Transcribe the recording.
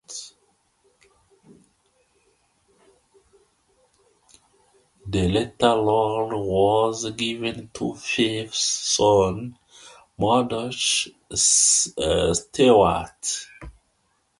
The latter role was given to Fife's son, Murdoch Stewart.